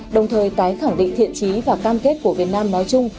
đồng thời tái khẳng định thiện trí và cam kết của việt nam nói chung